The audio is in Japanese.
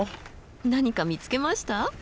何か見つけました？